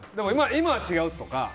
今は違うとか。